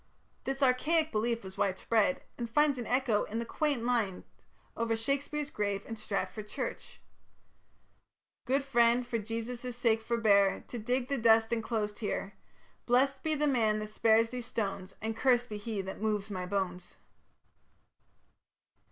This archaic belief was widespread, and finds an echo in the quaint lines over Shakespeare's grave in Stratford church: Good friend, for Jesus' sake forbeare To dig the dust enclosed heare; Blest be the man that spares these stones, And curst be he that moves my bones.